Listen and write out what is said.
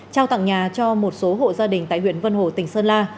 trao tặng nhà cho một số hộ gia đình tại huyện vân hồ tỉnh sơn la